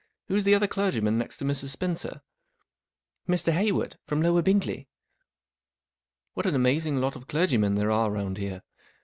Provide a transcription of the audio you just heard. Who's the other clergyman next to Mrs. Spencer ?"" Mr. Hayward, from Lower Bingley." " What an amazing lot of clergymen there are round here.